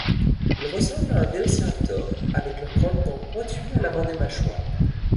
Ils ressemblent à un vélociraptor avec leurs grandes dents pointues à l'avant des mâchoires.